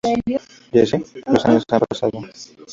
Los años han pasado.